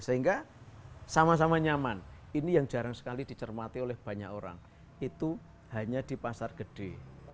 sehingga sama sama nyaman ini yang jarang sekali dicermati oleh banyak orang itu hanya di pasar gede